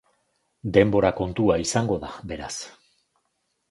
Denbora kontua izango da beraz.